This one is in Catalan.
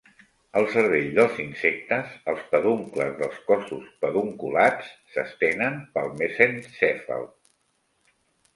Al cervell dels insectes, els peduncles dels cossos pendunculats s'estenen pel mesencèfal.